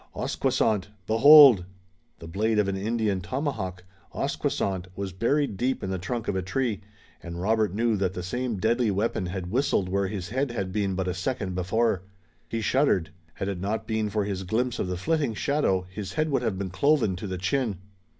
"Osquesont! Behold!" The blade of an Indian tomahawk, osquesont, was buried deep in the trunk of a tree, and Robert knew that the same deadly weapon had whistled where his head had been but a second before. He shuddered. Had it not been for his glimpse of the flitting shadow his head would have been cloven to the chin.